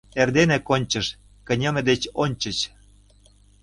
Эрдене кончыш, кынелме деч ончыч.